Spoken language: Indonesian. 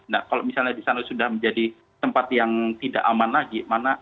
nah kalau misalnya di sana sudah menjadi tempat yang tidak aman lagi